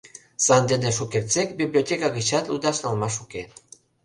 Сандене шукертсек библиотека гычат лудаш налмаш уке.